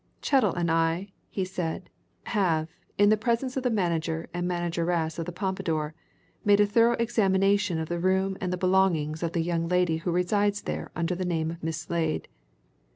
"Chettle and I," he said, "have, in the presence of the manager and manageress of the Pompadour, made a thorough examination of the room and the belongings of the young lady who resides there under the name of Miss Slade.